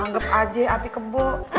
anggep aja hati kebo